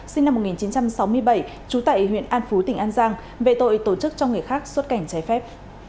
sinh năm một nghìn chín trăm sáu mươi bảy trú tại huyện an phú tỉnh an giang về tội tổ chức cho người khác xuất cảnh trái phép